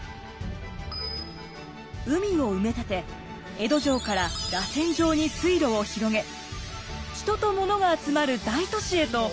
海を埋め立て江戸城かららせん状に水路を広げ人とものが集まる大都市へと変貌させました。